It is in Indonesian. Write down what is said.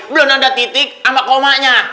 belum ada titik sama komanya